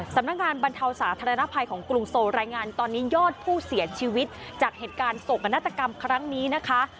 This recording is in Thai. บรรเทาสาธารณภัยของกรุงโซรายงานตอนนี้ยอดผู้เสียชีวิตจากเหตุการณ์โศกนาฏกรรมครั้งนี้นะคะ